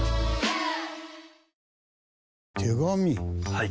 はい。